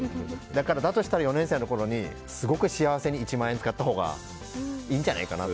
だとしたら４年生のころにすごく幸せに１万円使ったほうがいいんじゃないかなって。